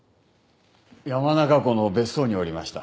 山中湖の別荘におりました。